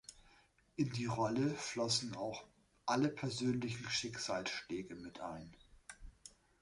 In die Rolle flossen auch alle persönlichen Schicksalsschläge mit ein.